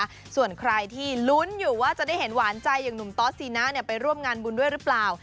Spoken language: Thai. ส่วนใครที่ลุ้นอยู่ว่าจะได้เห็นหวานใจอย่างหนุ่มตอสซีนะเนี่ยไปร่วมงานบุญด้วยหรือเปล่า